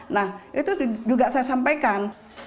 nah itu juga saya sampaikan